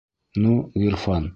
Ну, Ғирфан...